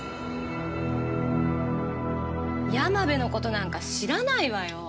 山部のことなんか知らないわよ。